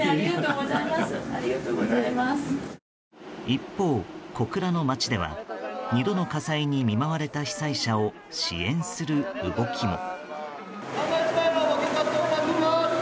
一方、小倉の町では２度の火災に見舞われた被災者を支援する動きも。